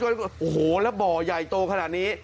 โอ้โหแล้วบ่อใหญ่โตขนาดนี้